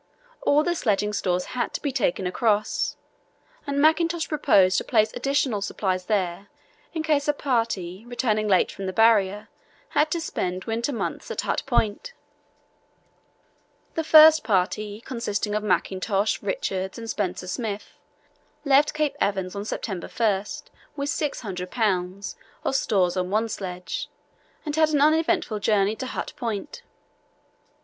All the sledging stores had to be taken across, and Mackintosh proposed to place additional supplies there in case a party, returning late from the Barrier, had to spend winter months at Hut Point. The first party, consisting of Mackintosh, Richards, and Spencer Smith, left Cape Evans on September 1 with 600 lbs. of stores on one sledge, and had an uneventful journey to Hut Point.